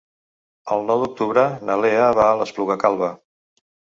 El nou d'octubre na Lea va a l'Espluga Calba.